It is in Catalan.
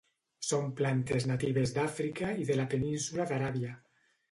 Són plantes natives d'Àfrica i de la Península d'Aràbia.